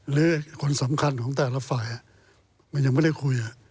หรือคนสำคัญของแต่ละฝ่ายมันยังไม่ได้คุย